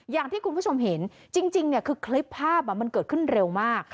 อย่างที่คุณผู้ชมเห็นจริงคือคลิปภาพมันเกิดขึ้นเร็วมาก